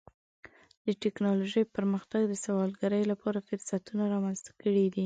د ټکنالوجۍ پرمختګ د سوداګرۍ لپاره فرصتونه رامنځته کړي دي.